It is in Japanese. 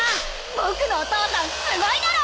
僕のお父さんすごいだろ！